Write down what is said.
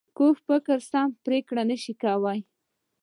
کوږ فکر سمه پرېکړه نه شي کولای